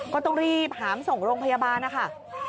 ก็ต้องรีบหามส่งโรงพยาบาลนะคะ